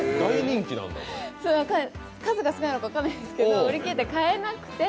数が少ないのか分からないんですけど売り切れて買えなくて。